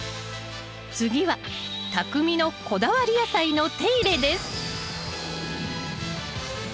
次はたくみのこだわり野菜の手入れです